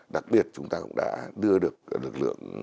đặc biệt chúng ta cũng đã đưa được lực lượng